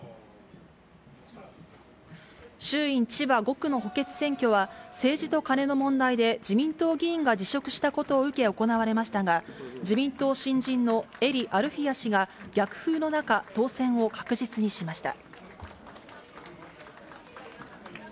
衆院千葉５区の補欠選挙は、政治とカネの問題で自民党議員が辞職したことを受け、行われましたが、自民党新人の英利アルフィヤ氏が、逆風の中、当選を確実にしました。